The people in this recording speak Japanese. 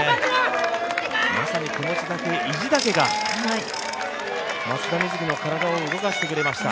まさに意地だけが松田瑞生の体を動かしてくれました。